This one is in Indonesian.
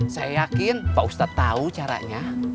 saya yakin pak ustadz tahu caranya